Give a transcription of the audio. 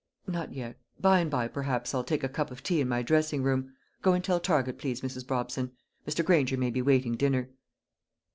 "Not yet; by and by, perhaps, I'll take a cup of tea in my dressing room. Go and tell Target, please, Mrs. Brobson; Mr. Granger may be waiting dinner."